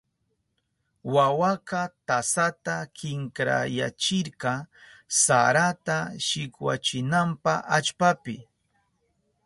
Wawaka tasata kinkrayachirka sarata shikwachinanpa allpapi.